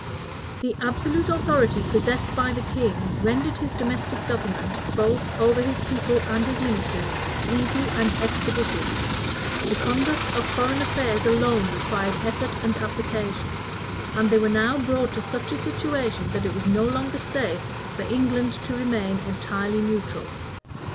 The absolute authority possessed by the king rendered his domestic government, both over his people and his ministers, easy and expeditious: the conduct of foreign affairs alone required effort and application; and they were now brought to such a situation, that it was no longer safe for England to remain entirely neutral.